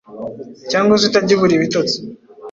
cyangwa se utajya ubura ibitotsi